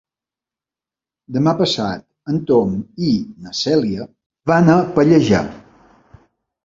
Demà passat en Tom i na Cèlia van a Pallejà.